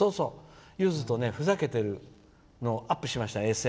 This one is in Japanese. ゆずとふざけてるのをアップしました。